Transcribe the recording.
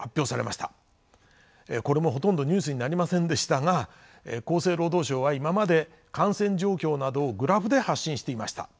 これもほとんどニュースになりませんでしたが厚生労働省は今まで感染状況などをグラフで発信していました。